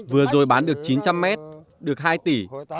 vừa rồi bán được chín trăm linh mét được hai tỷ